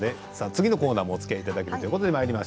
次のコーナーもおつきあいいただきます。